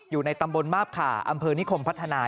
อยู่ในตำบลมาบขาอำเภอนิคมพัฒนา